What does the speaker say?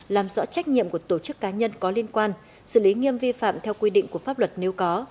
làm rõ trách nhiệm của tổ chức cá nhân có liên quan xử lý nghiêm vi phạm theo quy định của pháp luật nếu có